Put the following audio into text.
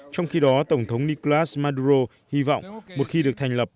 trong khi đó tổng thống nicolas maduro hy vọng một khi được thành lập